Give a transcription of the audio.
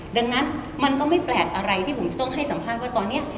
ดังนั้นมันก็ไม่แปลกอะไรที่ผมจะต้องให้สัมภาษณ์ว่าตอนนี้